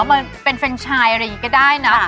มาเป็นแฟนชายอะไรอย่างนี้ก็ได้เนอะ